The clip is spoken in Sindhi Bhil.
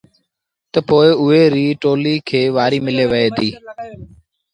تا پو اُئي ريٚ ٽوليٚ کي وآريٚ ملي وهي ديٚ۔